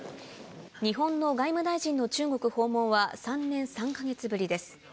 日本の外務大臣の中国訪問は、３年３か月ぶりです。